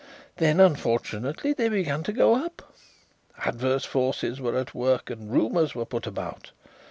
Then, unfortunately, they began to go up. Adverse forces were at work and rumours were put about.